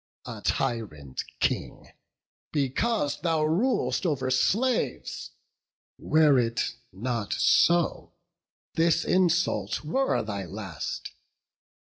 A tyrant King, because thou rul'st o'er slaves! Were it not so, this insult were thy last.